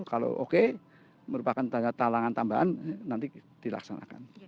kalau oke merupakan tanda talangan tambahan nanti dilaksanakan